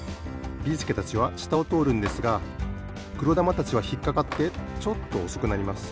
ビーすけたちはしたをとおるんですがくろだまたちはひっかかってちょっとおそくなります。